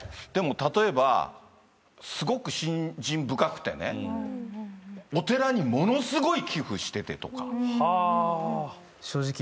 でも例えばすごく信心深くてねお寺にものすごい寄付しててとか。